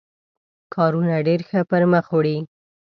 کارونه ډېر ښه پر مخ وړي.